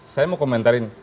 saya mau komentarin